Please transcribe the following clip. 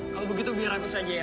kalau begitu biar aku saja yang